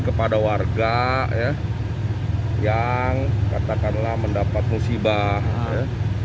kepada warga yang katakanlah mendapat musibah ya